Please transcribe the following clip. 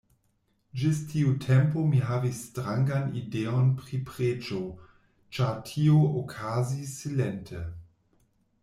Ĝis tiu tempo mi havis strangan ideon pri preĝo, ĉar tio okazis silente.